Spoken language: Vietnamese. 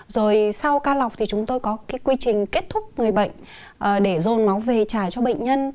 rồi sau ca lọc thì chúng tôi có cái quy trình kết thúc người bệnh để dồn máu về trả cho bệnh nhân